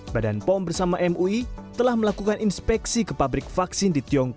badan pom bersama mui telah melakukan inspeksi ke pabrik vaksin di tiongkok